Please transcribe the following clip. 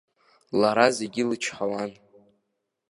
Лара зегьы лычҳауан.